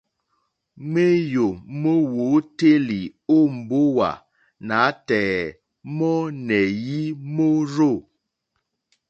Ŋwéyò mówǒtélì ó mbówà nǎtɛ̀ɛ̀ mɔ́nɛ̀yí mórzô.